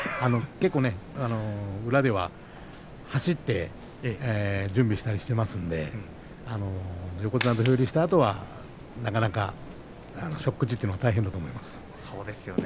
結構ね、裏では走って準備したりしていますので横綱土俵入りしたあとはなかなか初口というのは大変だと思います。